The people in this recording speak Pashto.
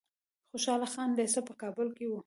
خوشحال خان لیسه په کابل کې وه.